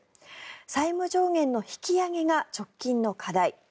債務上限の引き上げが直近の課題